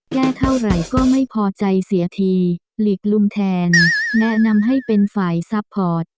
แก้เท่าไหร่ก็ไม่พอใจเสียทีหลีกลุมแทนแนะนำให้เป็นฝ่ายซัพพอร์ต